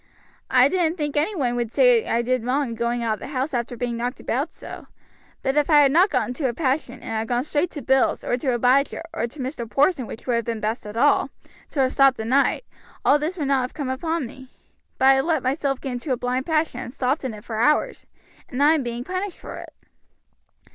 I don't think any one would say I did wrong in going out of the house after being knocked about so; but if I had not got into a passion, and had gone straight to Bill's, or to Abijah, or to Mr. Porson, which would have been best of all, to have stopped the night, all this would not have come upon me; but I let myself get into a blind passion and stopped in it for hours, and I am being punished for it."